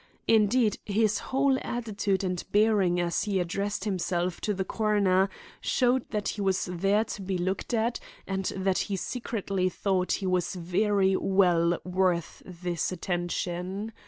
Indeed, his whole attitude and bearing as he addressed himself to the coroner showed that he was there to be looked at and that he secretly thought he was very well worth this attention.